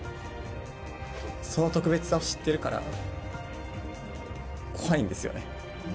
その特別さを知ってるから、怖いんですよね。